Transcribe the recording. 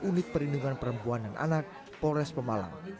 unit perlindungan perempuan dan anak polres pemalang